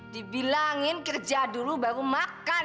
dibilangin kerja dulu baru makan